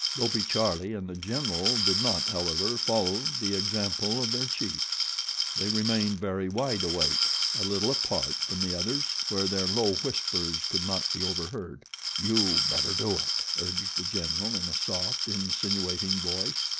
Dopey Charlie and The General did not, however, follow the example of their chief. They remained very wide awake, a little apart from the others, where their low whispers could not be overheard. "You better do it," urged The General, in a soft, insinuating voice.